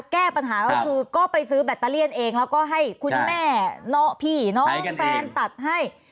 แก้ปัญหาก็คือก็ไปซื้อแบตเตอเลี่ยนเองแล้วก็ให้คุณแม่พี่น้องแฟนตัดให้